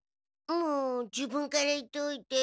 もう自分から言っておいて。